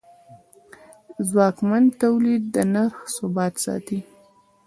ځواکمن تولید د نرخ ثبات ساتي.